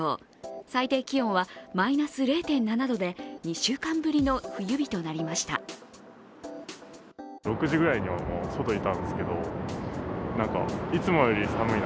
最低気温はマイナス０．７度で２週間ぶりの冬日となりました。